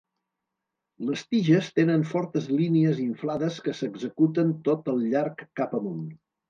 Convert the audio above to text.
Les tiges tenen fortes línies inflades que s'executen tot el llarg cap amunt.